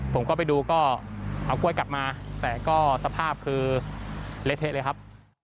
ผมก็ไปดูก็เอากล้วยกลับมาแต่ก็สภาพคือเละเทะเลยครับ